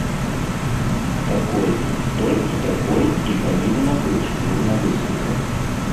Такой, толькі такой і павінна быць журналістыка.